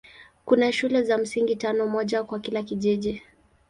Kuna shule za msingi tano, moja kwa kila kijiji.